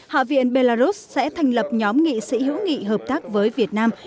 hạ viện belarus sẽ thành lập nhóm nghị sĩ hữu nghị hợp tác với việt nam